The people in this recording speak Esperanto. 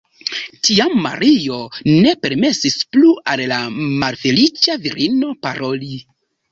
Tiam Mario ne permesis plu al la malfeliĉa virino paroli.